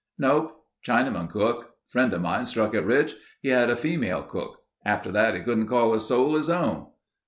"Nope. Chinaman cook. Friend of mine struck it rich. He had a female cook. After that he couldn't call his soul his own.